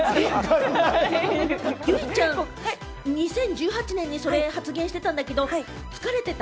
結実ちゃん、２０１８年にそれ発言していたんだけど、疲れていた？